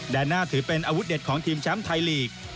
หน้าถือเป็นอาวุธเด็ดของทีมแชมป์ไทยลีก